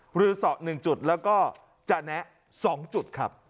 บริษัทหนึ่งจุดแล้วก็จะแนะสองจุดครับ